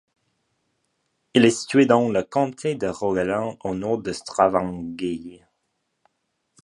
Il est situé dans le Comté de Rogaland au nord de Stavanger.